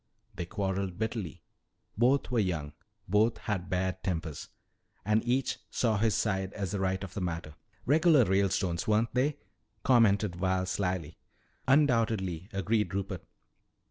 They quarreled bitterly. Both were young, both had bad tempers, and each saw his side as the right of the matter " "Regular Ralestones, weren't they?" commented Val slyly. "Undoubtedly," agreed Rupert.